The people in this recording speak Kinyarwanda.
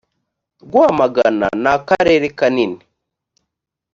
rwamagana nakarere kanini.